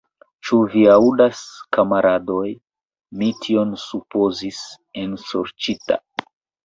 Ĉu vi aŭdas, kamaradoj, mi tion supozis, ensorĉita!